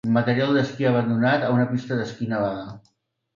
Material d'esquí abandonat a una pista d'esquí nevada